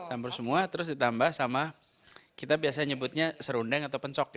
campur semua terus ditambah sama kita biasa nyebutnya serundeng atau pencok ya